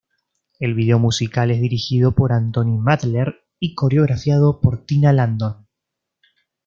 El video musical es dirigido por Anthony Mandler y coreografiado por Tina Landon.